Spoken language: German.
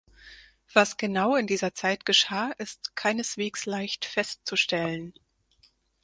Was genau in dieser Zeit geschah, ist keineswegs leicht festzustellen.